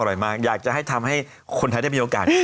น้ำลายออกสองครั้ง